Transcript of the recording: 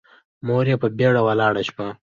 مور يې په بيړه ولاړه شوه.